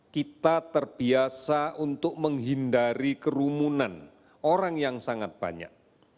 kita terbiasa untuk menghindari kerumunan orang yang sangat banyak